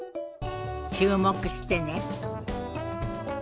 注目してね。